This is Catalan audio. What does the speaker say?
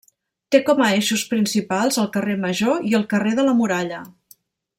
Té com a eixos principals el carrer Major i el carrer de la Muralla.